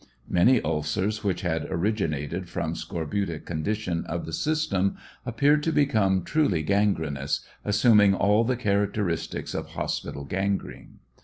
Many ulcers which originated from the scorbutic condition of the system appeared to become truly gangrenous, assuming all the char acteristics of hospital gangrene.